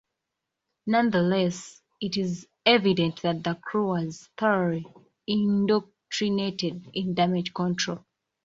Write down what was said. Nonetheless, it is evident that the crew was thoroughly indoctrinated in damage control.